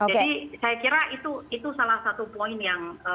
jadi saya kira itu salah satu poin yang